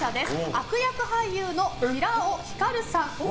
悪役俳優の平尾光さん。